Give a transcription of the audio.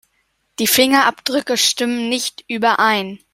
Die Fingerabdrücke stimmen nicht überein.